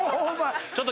ちょっと。